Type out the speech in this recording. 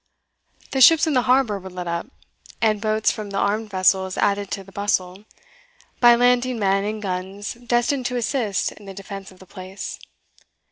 The ships in the harbour were lit up, and boats from the armed vessels added to the bustle, by landing men and guns destined to assist in the defence of the place.